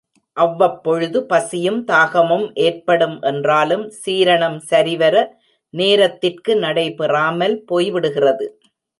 அவ்வப்பொழுது பசியும் தாகமும் ஏற்படும் என்றாலும் சீரணம் சரிவர நேரத்திற்கு நடைபெறாமல் போய்விடுகிறது.